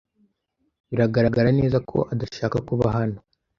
Biragaragara neza ko adashaka kuba hano.